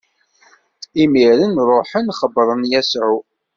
Imiren ṛuḥen, xebbṛen Yasuɛ.